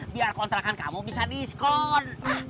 biar kontrakan kamu bisa diskon